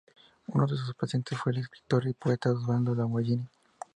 Uno de sus pacientes fue el escritor y poeta Osvaldo Lamborghini.